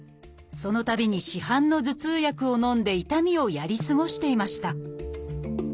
そのたびに市販の頭痛薬をのんで痛みをやり過ごしていました。